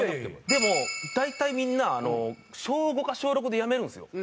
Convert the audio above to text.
でも大体みんな小５か小６でやめるんですよ。